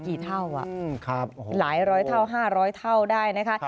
กี่เท่าหลายร้อยเท่า๕๐๐เท่าได้นะคะ